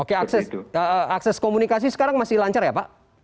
oke akses komunikasi sekarang masih lancar ya pak